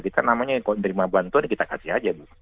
kita namanya kalau menerima bantuan kita kasih saja